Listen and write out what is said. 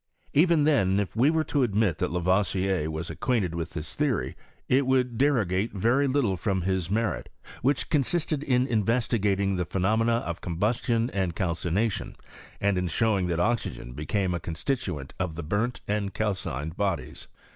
Even then, if we were to admit that Lavoisier was at^uainted with Ibis theory, it vould derogate very little from hia merit, which consisted in investigating the phe nomena of combustion and calcination, and in show ing tlial oxvjiren became a constituent of the boniC tand calcined bodies.